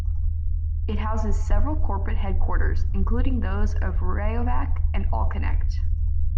It houses several corporate headquarters, including those of Rayovac and Allconnect.